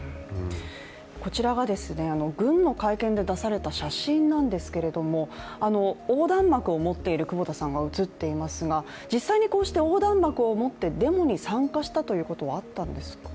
こちらが軍の会見で出された写真なんですけれども、横断幕を持っている久保田さんが映っていますが実際こうした横断幕を持ってデモに参加したということはあったんですか？